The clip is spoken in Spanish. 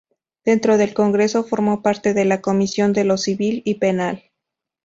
Dentro del Congreso formó parte de la Comisión de lo Civil y Penal.